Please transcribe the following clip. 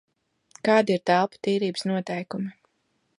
Kādi ir telpu tīrības noteikumi?